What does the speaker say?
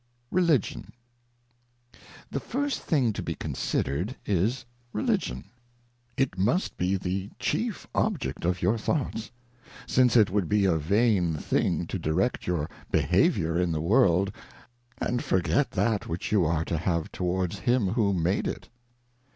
RELIGION. THe first thing to be considered, is Religion, It must be the chief Object of your Thoughts, since it would be a vain thing to direct your Behaviour in the World, and forget that which you are to have towards him who made it.